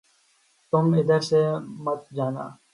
تم ادھر سے مت جانا